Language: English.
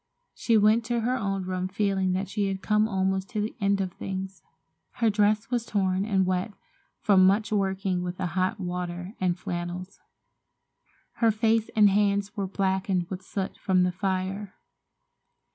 She went to her own room feeling that she had come almost to the end of things. Her dress was torn and wet from much working with the hot water and flannels. Her face and hands were blackened with soot from the fire.